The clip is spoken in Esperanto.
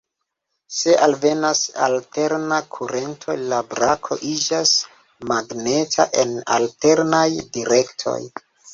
Se alvenas alterna kurento, la brako iĝas magneta en alternaj direktoj.